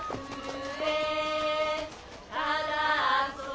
「ただ遊べ」